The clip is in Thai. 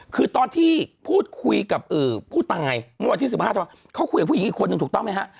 คือตอนที่พูดคุยกับผู้ตายเมื่อวันที่๑๕เขาคุยกับผู้หญิงอีกคนนึงถูกต้องไหมฮะ